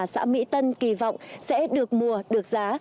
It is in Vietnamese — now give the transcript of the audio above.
xã mỹ tân kỳ vọng sẽ được mùa được giá